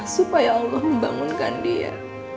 supaya allah membangunkan dia